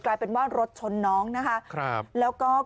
กลายเป็นว่ารถชนน้องนะคะครับแล้วก็